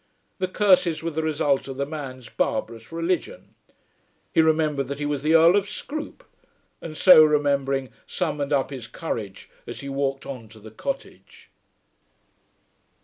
The curses were the result of the man's barbarous religion. He remembered that he was the Earl of Scroope, and so remembering summoned up his courage as he walked on to the cottage.